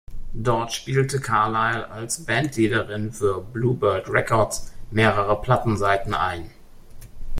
Dort spielte Carlisle als Bandleaderin für Bluebird Records mehrere Plattenseiten ein.